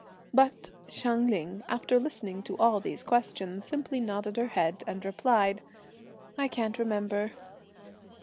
But Hsiang Ling, after listening to all these questions, simply nodded her head and replied, "I can't remember."